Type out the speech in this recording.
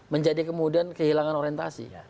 menjadi kemudian kehilangan orientasi